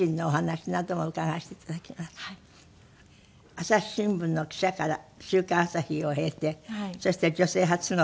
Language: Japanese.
『朝日新聞』の記者から『週刊朝日』を経てそして女性初の